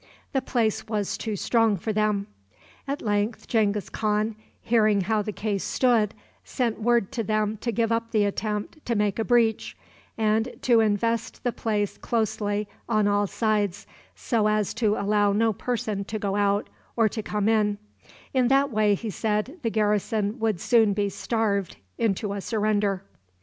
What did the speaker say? The place was too strong for them. At length Genghis Khan, hearing how the case stood, sent word to them to give up the attempt to make a breach, and to invest the place closely on all sides, so as to allow no person to go out or to come in; in that way, he said, the garrison would soon be starved into a surrender.